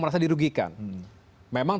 merasa dirugikan memang